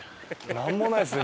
なんもないですね